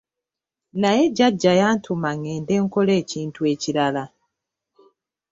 Naye jjajja yantuma ngende nkole ekintu ekirala.